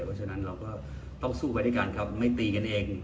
เพราะฉะนั้นเราก็ต้องสู้ไปด้วยกันครับไม่ตีกันเอง